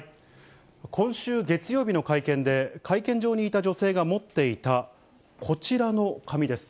今週月曜日の会見で、会見場にいた女性が持っていたこちらの紙です。